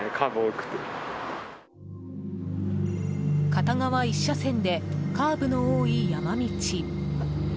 片側１車線でカーブの多い山道。